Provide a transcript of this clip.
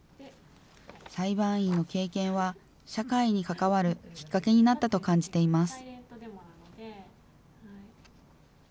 裁判員の経験は、社会に関わるきっかけになったと感じています。